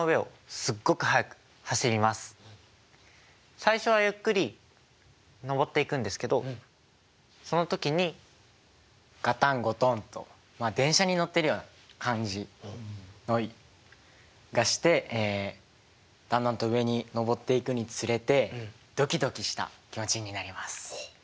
最初はゆっくり上っていくんですけどその時にガタンゴトンと電車に乗ってるような感じがしてだんだんと上に上っていくにつれてドキドキした気持ちになります。